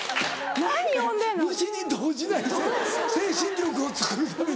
えっ虫に動じない精神力をつくるために？